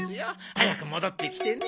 早く戻ってきてね。